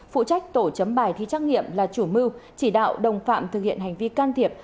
phụ trách tổ chấm bài thi trắc nghiệm là chủ mưu chỉ đạo đồng phạm thực hiện hành vi can thiệp